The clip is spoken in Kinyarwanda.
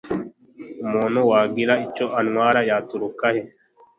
umuntu wagira icyo antwara yaturuka he?